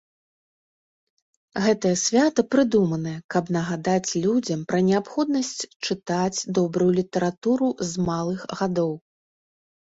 Гэтае свята прыдуманае, каб нагадаць людзям пра неабходнасць чытаць добрую літаратуру з малых гадоў.